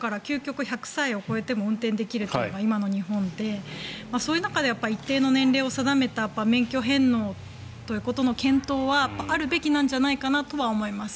だから、究極１００歳を超えても運転できるというのが今の日本でそういう中で一定の年齢を定めた免許返納というのはあるべきなんじゃないかなとは思います。